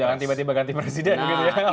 jangan tiba tiba ganti presiden gitu ya